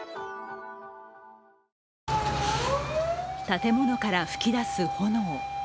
建物から噴き出す炎。